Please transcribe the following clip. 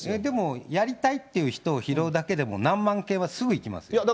でも、やりたいっていう人を拾うだけでも何万件はすぐ行きますよ。